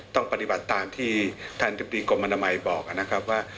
ต้องปฏิบัติตามที่ท่านอธิบดีกรมอนามัยบอกนะครับว่า